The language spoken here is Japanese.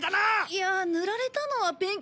いや塗られたのはペンキ。